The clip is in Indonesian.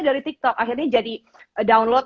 dari tiktok akhirnya jadi download